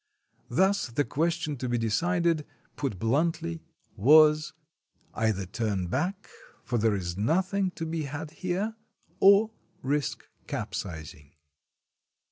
Thus the question to be decided, put bluntly, wasj 230 COALING AT SEA "Either turn back, for there is nothing to be had here, or risk capsizing."